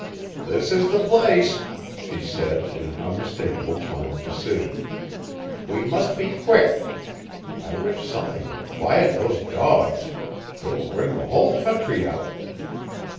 "This is the place," she said, in an unmistakable tone of decision. "We must be quick. I wish something would quiet those dogs; they will bring the whole country out."